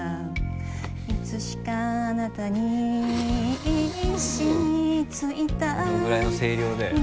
いつしかあなたに浸みついたこのぐらいの声量だよね。